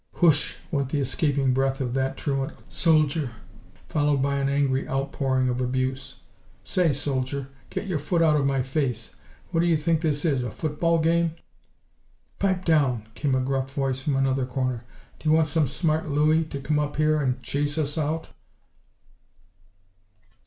"Whoosh!" went the escaping breath of that truant soldier, followed by an angry outpouring of abuse. "Say, soldier! Get your foot out of my face! What do you think this is a football game?" "Pipe down!" came a gruff voice from another corner. "Do you want some smart Looie to come up here and chase us out?"